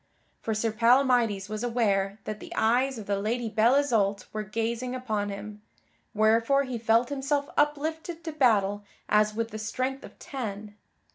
For Sir Palamydes was aware that the eyes of the Lady Belle Isoult were gazing upon him, wherefore he felt himself uplifted to battle as with the strength of ten.